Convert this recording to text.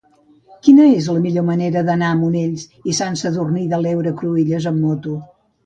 Quina és la millor manera d'anar a Monells i Sant Sadurní de l'Heura Cruïlles amb moto?